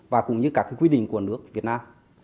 và cũng như các quy định của nước việt nam